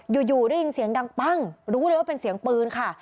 อยู่ได้ยินเสียงดังปั้งรู้เลยว่าเป็นเสียงปืนค่ะ